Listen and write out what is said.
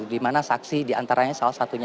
dimana saksi diantaranya salah satunya